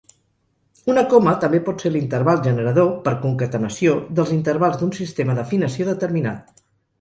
Una coma també pot ser l'interval generador, per concatenació, dels intervals d'un sistema d'afinació determinat.